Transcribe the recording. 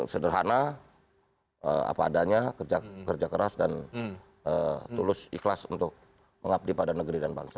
sederhana apa adanya kerja keras dan tulus ikhlas untuk mengabdi pada negeri dan bangsa